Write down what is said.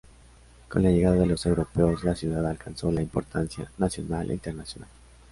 Con la llegada de los europeos la ciudad alcanzó la importancia nacional e internacional.